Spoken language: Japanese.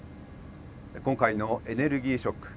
今回のエネルギーショック。